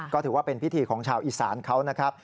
ก็ถือว่าเป็นพิธีของชาวอีสานเขานะครับ